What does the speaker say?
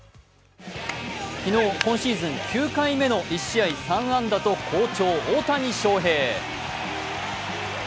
昨日、今シーズン９回目の１試合３安打と好調、大谷翔平。